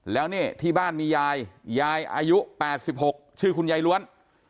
แล้วนี่ที่บ้านมียายยายอายุ๘๖ชื่อคุณยายล้วน